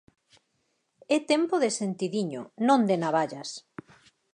E tempo de sentidiño non de navallas.